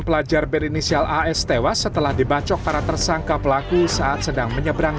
pelajar berinisial as tewas setelah dibacok para tersangka pelaku saat sedang menyeberang